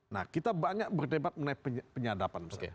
nah kita banyak berdebat mengenai penyadapan misalnya